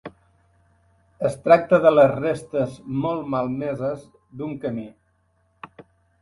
Es tracta de les restes, molt malmeses, d'un camí.